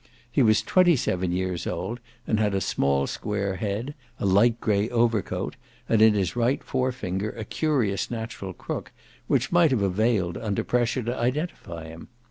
He was twenty seven years old and had a small square head, a light grey overcoat and in his right forefinger a curious natural crook which might have availed, under pressure, to identify him.